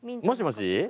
もしもし？